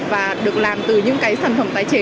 và được làm từ những cái sản phẩm tái chế